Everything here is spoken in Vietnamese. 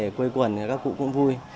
các con cháu về quây quần thì các cụ cũng vui